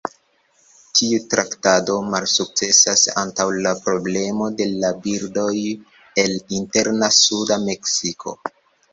Tiu traktado malsukcesas antaŭ la problemo de la birdoj el interna suda Meksiko.